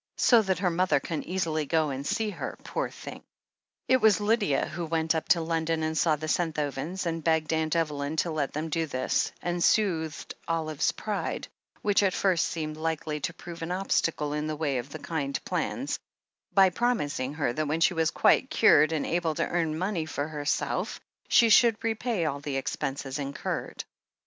"So that her mother can easily go and see her, poor thing." It was Lydia who went up to London and saw the Senthovens, and begged Aunt Evelyn to let them do this, and soothed Olive's pride, which at first seemed likely to prove an obstacle in the way of the kind plans, by promising her that when she was quite cured and able to earn money for herself, she should repay all the expenses incurred.